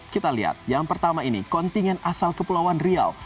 kita lihat yang pertama ini kontingen asal kepulauan riau